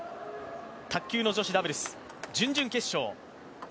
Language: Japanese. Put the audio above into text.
卓球の女子ダブルス準々決勝。